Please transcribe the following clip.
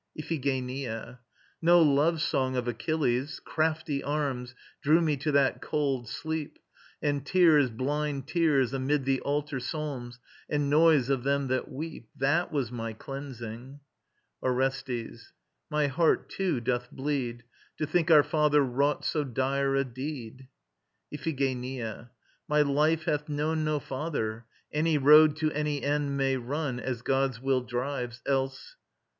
IPHIGENIA. No love song of Achilles! Crafty arms Drew me to that cold sleep, And tears, blind tears amid the altar psalms And noise of them that weep That was my cleansing! ORESTES. My heart too doth bleed, To think our father wrought so dire a deed. IPHIGENIA. My life hath known no father. Any road To any end may run, As god's will drives; else